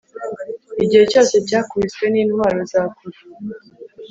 Igihe cyose cyakubiswe nintwaro za kure